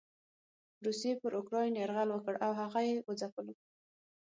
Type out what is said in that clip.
روسيې پر اوکراين يرغل وکړ او هغه یې وځپلو.